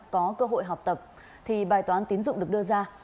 có cơ hội học tập thì bài toán tiến dụng được đưa ra